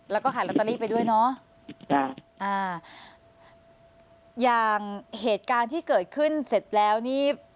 แล้วก็ขายลอตเตอรี่ไปด้วยเนอะจ้ะอ่าอย่างเหตุการณ์ที่เกิดขึ้นเสร็จแล้วนี่